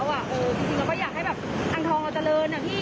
เออจริงเราก็อยากให้อังธองเอาเจริญน่ะพี่